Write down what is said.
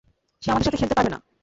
সে আমাদের সাথে খেলতে পারবে না।